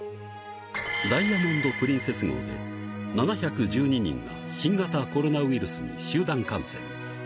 ダイヤモンド・プリンセス号で、７１２人が新型コロナウイルスに集団感染。